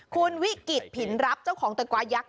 คุณวิกฤตผินรับเจ้าของตะกวายักษ